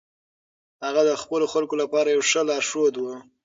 هغه د خپلو خلکو لپاره یو ښه لارښود و.